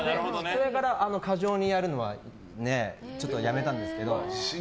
それから過剰にやるのはちょっとやめたんですけど。